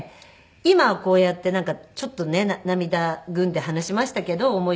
今はこうやってちょっとね涙ぐんで話しましたけど思い出すと。